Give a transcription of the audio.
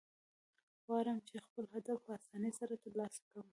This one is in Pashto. غواړم، چي خپل هدف په آساني سره ترلاسه کړم.